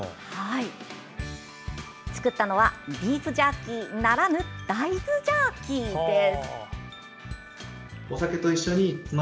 作ったのはビーフジャーキーならぬ大豆ジャーキーです。